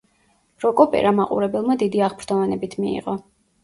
როკ-ოპერა მაყურებელმა დიდი აღფრთოვანებით მიიღო.